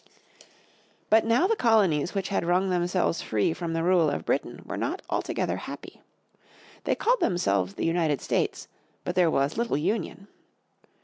But now the colonies which had wrung themselves free from the rule of Britain were not altogether happy. They called themselves the United States, but there was little union.